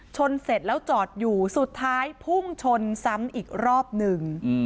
เสร็จแล้วจอดอยู่สุดท้ายพุ่งชนซ้ำอีกรอบหนึ่ง